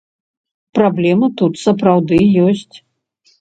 Праблема тут сапраўды ёсць.